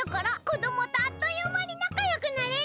子どもとあっというまになかよくなれる。